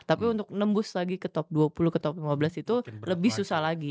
tapi untuk nembus lagi ke top dua puluh ke top lima belas itu lebih susah lagi